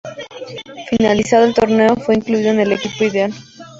Finalizado el torneo, fue incluido en el equipo ideal.